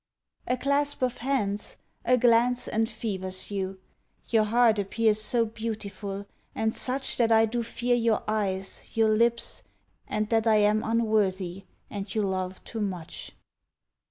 A clasp of hands, a glance enfevers you; Your heart appears so beautiful and such That I do fear your eyes, your lips, and that I am unworthy and you love too much.